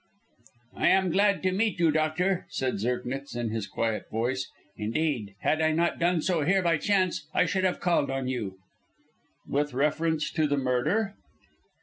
"I am glad to meet you, doctor," said Zirknitz, in his quiet voice. "Indeed, had I not done so here by chance I should have called on you." "With reference to the murder?"